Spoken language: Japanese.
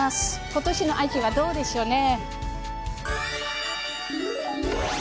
ことしの味はどうでしょうね。